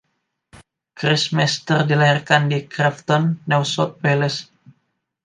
Chris Masters dilahirkan di Grafton, New South Wales.